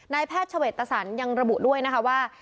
แพทย์เฉวตสันยังระบุด้วยนะคะว่า